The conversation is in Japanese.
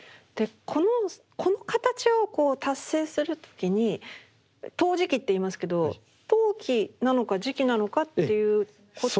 この形をこう達成する時に陶磁器っていいますけど陶器なのか磁器なのかっていうことは。